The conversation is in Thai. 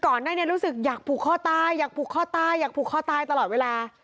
ข้อตายอยากผูกข้อตายอยากผูกข้อตายตลอดเวลา